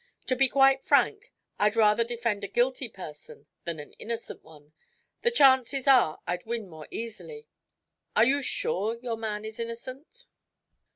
To be quite frank, I'd rather defend a guilty person than an innocent one. The chances are I'd win more easily. Are you sure your man is innocent?"